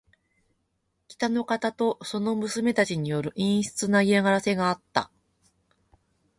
北の方とその娘たちによる陰湿な嫌がらせがあった。